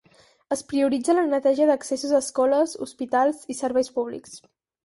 Es prioritza la neteja d'accessos a escoles, hospital i serveis públics.